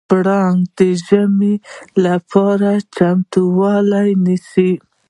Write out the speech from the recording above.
پړانګ د ژمي لپاره چمتووالی نیسي.